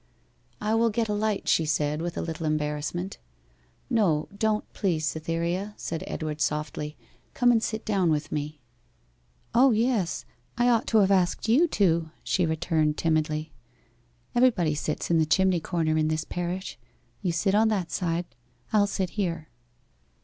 'I will get a light,' she said, with a little embarrassment. 'No don't, please, Cytherea,' said Edward softly, 'Come and sit down with me.' 'O yes. I ought to have asked you to,' she returned timidly. 'Everybody sits in the chimney corner in this parish. You sit on that side. I'll sit here.